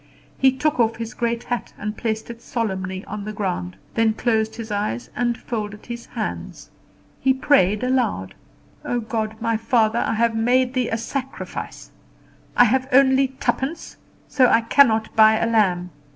He took off his great hat and placed it solemnly on the ground, then closed his eyes and folded his hands. He prayed aloud: "Oh, God, my Father, I have made Thee a sacrifice. I have only twopence, so I cannot buy a lamb.